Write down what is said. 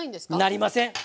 なりません。